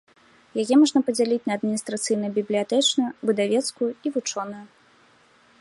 Яе можна падзяліць на адміністрацыйна бібліятэчную, выдавецкую і вучоную.